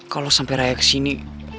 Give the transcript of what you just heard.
kalo sampe raya kesini